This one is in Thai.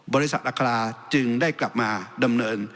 บริษัทอัคราจึงได้กลับมาดำเนิน